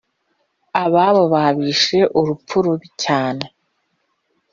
Aba bo babishe urupfu rubi cyane